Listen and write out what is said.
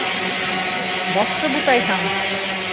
Башты бутайһың!